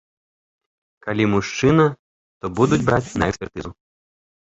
Калі мужчына, то будуць браць на экспертызу.